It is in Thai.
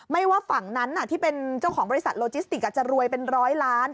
ว่าฝั่งนั้นที่เป็นเจ้าของบริษัทโลจิสติกจะรวยเป็นร้อยล้าน